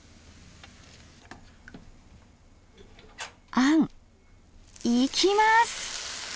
あんいきます！